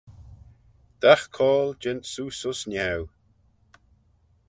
Dagh coayl jeant seose ayns niau.